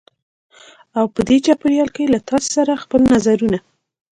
او په دې چاپېریال کې له تاسې سره خپل نظرونه